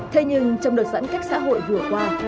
thế nhưng trong đợt giãn cách xã hội vừa qua